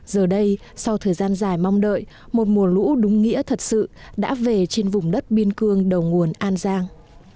giờ đây sau thời gian dài mong đợi một mùa lũ đúng nghĩa thật sự đã về trên vùng đất biên cương đầu nguồn an giang